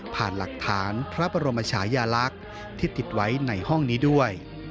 หลักฐานพระบรมชายาลักษณ์ที่ติดไว้ในห้องนี้ด้วย